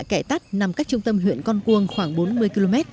bá hạ kẻ tắc nằm cách trung tâm huyện con cuồng khoảng bốn mươi km